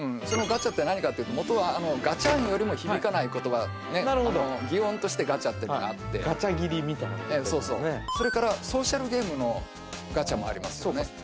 そのガチャって何かっていうと元はガチャンよりも響かない言葉なるほど擬音としてガチャっていうのがあってガチャ切りみたいなことそうそうそれからソーシャルゲームのガチャもありますよね